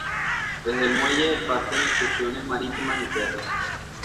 Desde el muelle parten excursiones marítimas y ferris.